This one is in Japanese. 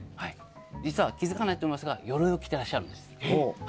実は、気づかないと思いますが鎧を着ていらっしゃるんです。